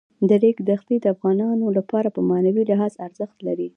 د ریګ دښتې د افغانانو لپاره په معنوي لحاظ ارزښت لري.